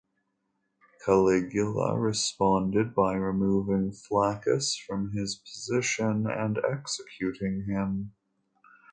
Caligula responded by removing Flaccus from his position and executing him.